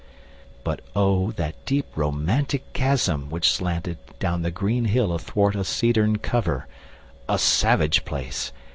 But O, that deep romantic chasm which slanted Down the green hill athwart a cedarn cover! A savage place!